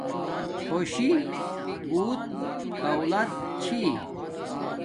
خوشی بوت دولت چھی